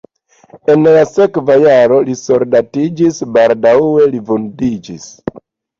En la sekva jaro li soldatiĝis, baldaŭe li vundiĝis.